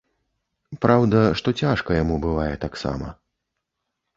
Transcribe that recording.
Праўда, што цяжка яму бывае таксама.